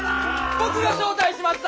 僕が招待しました！